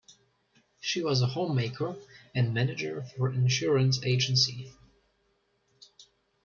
She was a homemaker, and manager for an insurance agency.